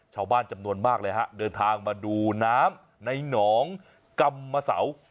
ชาวบ้านจำนวนมากเลยฮะเดินทางมาดูน้ำในหนองกรรมเสา